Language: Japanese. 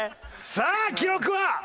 さあ記録は？